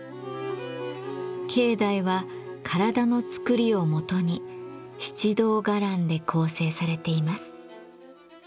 境内は体のつくりをもとに七堂伽藍で構成されています。